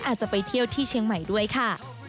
อาจจะไปเที่ยวที่เชียงใหม่ด้วยค่ะ